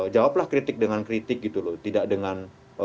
jawablah kritik dengan kritik gitu loh tidak dengan